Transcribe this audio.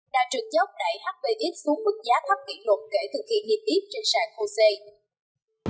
đã trực chốc đẩy hpx xuống bức giá thấp kỷ luật kể thực hiện nghiên tiếp trên sàng hồ sê